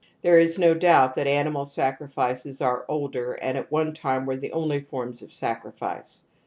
There is no doubt that animal sacrifices are older and at one time were the only forms of sacrifice.